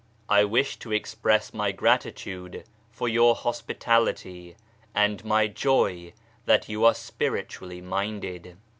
I wish to express my gratitude for your hospitality, and my joy that you are spiritually minded.